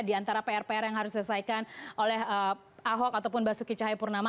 di antara pr pr yang harus diselesaikan oleh ahok ataupun basuki cahayapurnama